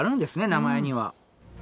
名前には。